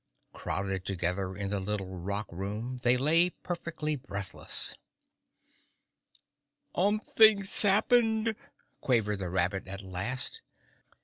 Crowded together in the little rock room, they lay perfectly breathless. "Umpthing sappened," quavered the rabbit at last.